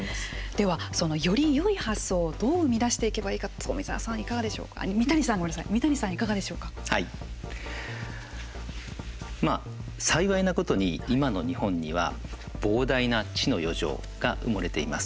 では、そのよりよい発想をどう生み出していけばいいかまあ、幸いなことに今の日本には膨大な知の余剰が埋もれています。